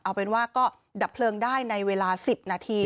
เอาเป็นว่าก็ดับเพลิงได้ในเวลา๑๐นาที